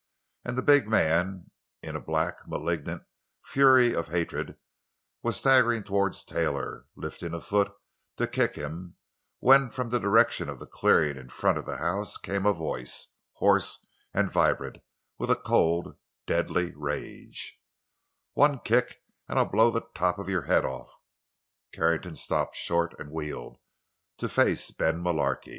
And the big man, in a black, malignant fury of hatred, was staggering toward Taylor, lifting a foot to kick him, when from the direction of the clearing in front of the house came a voice, hoarse and vibrant with a cold, deadly rage: "One kick an' I blow the top of your head off!" Carrington stopped short and wheeled, to face Ben Mullarky.